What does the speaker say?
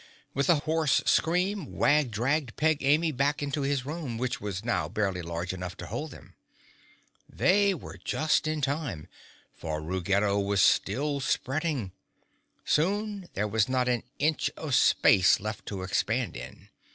With a hoarse scream Wag dragged Peg Amy back into his room, which was now barely large enough to hold them. They were just in time, for Ruggedo was still spreading. Soon there was not an inch of space left to expand in.